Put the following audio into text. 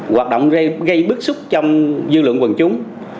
hoạt động gây bức xúc trong dư luận quần chúng